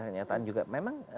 kenyataan juga memang